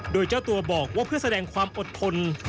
โดยเจ้าตัวบอกว่าเพื่อแสดงความอดทน